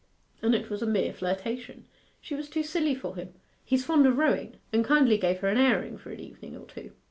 And it was a mere flirtation she was too silly for him. He's fond of rowing, and kindly gave her an airing for an evening or two.